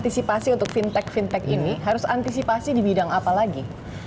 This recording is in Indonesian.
antisipasi untuk fintech fintech ini harus antisipasi di bidang apa lagi